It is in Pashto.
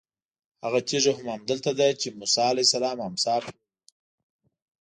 هغه تېږه هم همدلته ده چې موسی علیه السلام امسا پرې ووهله.